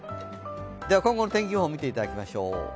今後の天気予報見ていただきましょう。